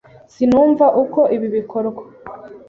Sinumva uko ibi bikora.